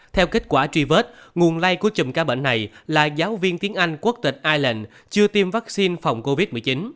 theo kết quả truy vết nguồn lây của chùm ca bệnh này là giáo viên tiếng anh quốc tịch ireland chưa tiêm vaccine phòng covid một mươi chín